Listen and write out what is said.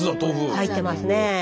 入ってますね。